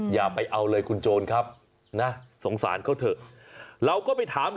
อย่าไปเอาเลยคุณโจรครับ